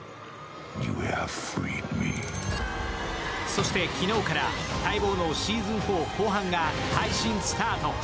そして昨日から待望のシーズン４後半が配信スタート。